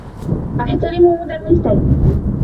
أحترم مدرّسيّ.